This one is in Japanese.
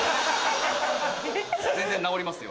全然直りますよ。